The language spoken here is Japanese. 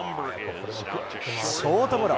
ショートゴロ。